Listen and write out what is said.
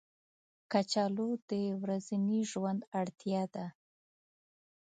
کچالو د ورځني ژوند اړتیا ده